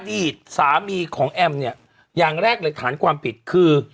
อดีตสามีของแอมอย่างแรกฐานความปิดคือ